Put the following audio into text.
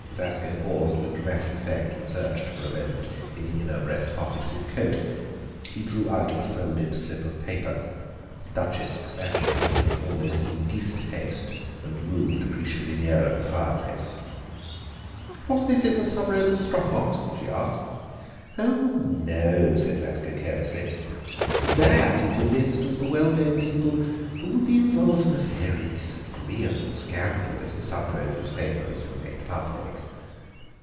Vasco paused with dramatic effect and searched for a moment in the inner breast pocket of his coat. He drew out a folded slip of paper. The Duchess snatched at it in almost indecent haste and moved appreciably nearer the fireplace. "Was this in the Sub Rosa's strong box?" she asked. "Oh no," said Vasco carelessly, "that is a list of the well known people who would be involved in a very disagreeable scandal if the Sub Rosa's papers were made public.